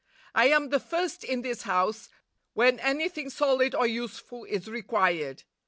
I am the first in this house, when anything solid or useful is required.